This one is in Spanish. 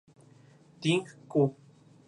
Thing Co.